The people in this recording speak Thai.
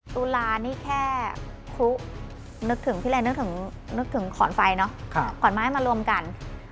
ตุลานี่แค่นึกถึงขอนไฟเนอะขอนไม้มารวมกัน